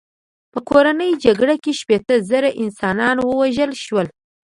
په کورنۍ جګړه کې شپېته زره انسانان ووژل شول.